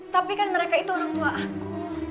tapi kan mereka itu orang tua aku